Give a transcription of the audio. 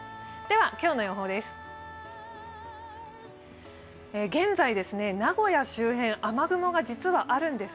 今日の予報です。